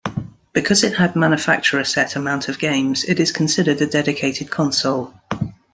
Because it had manufacturer-set amount of games, it is considered a dedicated console.